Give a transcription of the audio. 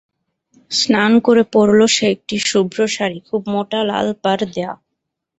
স্নান করে পরল সে একটি শুভ্র শাড়ি, খুব মোটা লাল পাড় দেওয়া।